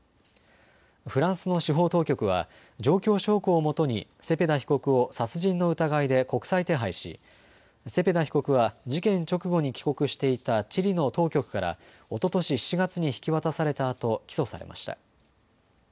フランスの司法当局は状況証拠をもとにセペダ被告を殺人の疑いで国際手配しセペダ被告は事件直後に帰国していたチリの当局からおととし７月に引き渡されたあと起訴されました。